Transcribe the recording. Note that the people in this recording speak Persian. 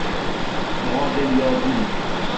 معادل یابی